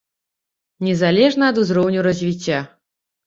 Незалежна ад узроўню развіцця.